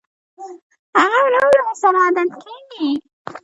هغه ورو ورو ورسره عادت کېږي